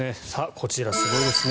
こちら、すごいですね。